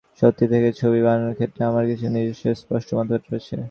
সাহিত্য থেকে ছবি বানানোর ক্ষেত্রে আমার কিছু নিজস্ব স্পষ্ট মতামত রয়েছে।